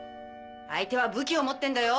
相手は武器を持ってんだよ。